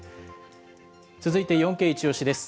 続いて、４Ｋイチオシ！です。